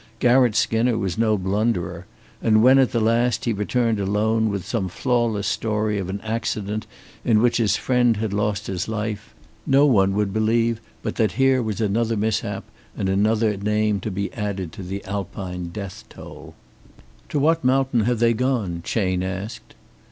Garratt Skinner was no blunderer. And when at the last he returned alone with some flawless story of an accident in which his friend had lost his life, no one would believe but that here was another mishap, and another name to be added to the Alpine death roll. "To what mountain have they gone?" Chayne asked.